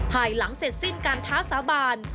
ภายหลังเสร็จสิ้นการท้าสาบาน